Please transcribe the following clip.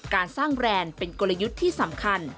การสร้างแบรนด์เป็นกลยุทธ์ที่สำคัญ